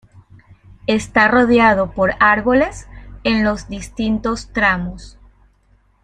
Está rodeado por árboles en los distintos tramos.